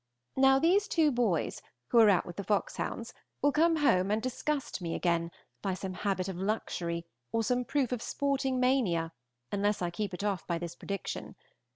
Now these two boys who are out with the foxhounds will come home and disgust me again by some habit of luxury or some proof of sporting mania, unless I keep it off by this prediction.